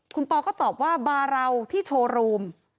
คุณปอก็ตอบว่าบาราวที่โชว์รูม